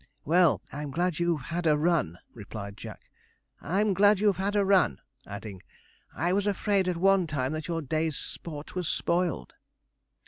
'Well, I'm glad you have had a run,' replied Jack. 'I'm glad you have had a run,' adding, 'I was afraid at one time that your day's sport was spoiled.'